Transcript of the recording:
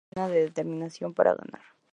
Ella está llena de determinación para ganar.